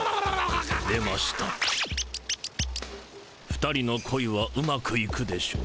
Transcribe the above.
２人の恋はうまくいくでしょう。